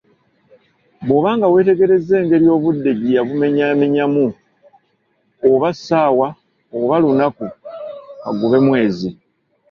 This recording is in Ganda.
Bwoba nga weetegerezza engeri obudde gyeyabumenyamenyamu, oba ssaawa, oba lunaku, kagube mwezi